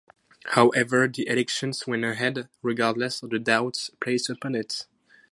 However the elections went ahead regardless of the doubts placed upon it.